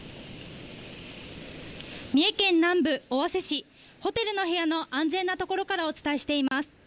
三重県南部、尾鷲市、ホテルの部屋の安全な所からお伝えしています。